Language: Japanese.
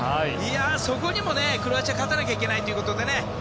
そこにもクロアチアは勝たなきゃいけないということでね